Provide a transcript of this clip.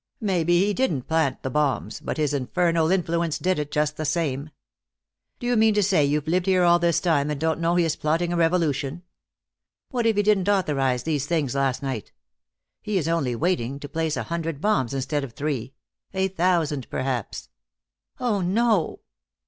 "Maybe he didn't plant the bombs, but his infernal influence did it, just the same. Do you mean to say you've lived here all this time and don't know he is plotting a revolution? What if he didn't authorize these things last night? He is only waiting, to place a hundred bombs instead of three. A thousand, perhaps." "Oh, no!"